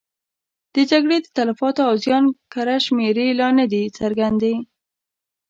د جګړې د تلفاتو او زیان کره شمېرې لا نه دي څرګندې.